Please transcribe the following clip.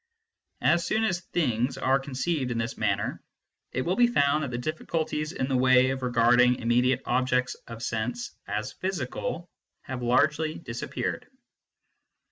As soon as " things " are con ceived in this manner it will be found that the difficulties in the way of regarding immediate objects of sense as physical have largely disappeared.